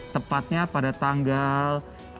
tepatnya pada tanggal dua puluh enam